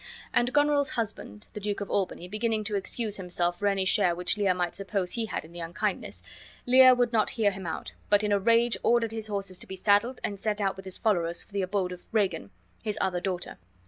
And Goneril's husband, the Duke of Albany, beginning to excuse himself for any share which Lear might suppose he had in the unkindness, Lear would not hear him out, but in a rage ordered his horses to be saddled and set out with his followers for the abode of Regan, his other daughter.